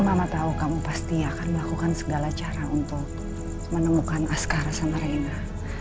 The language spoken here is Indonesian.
mama tahu kamu pasti akan melakukan segala cara untuk menemukan askara sama reinhard